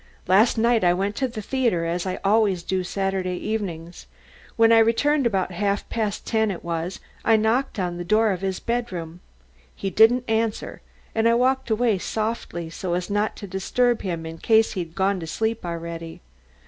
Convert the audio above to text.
Last night I went to the theatre, as I always do Saturday evenings. When I returned, about half past ten it was, I knocked at the door of his bedroom. He didn't answer, and I walked away softly, so as not to disturb him in case he'd gone to sleep already.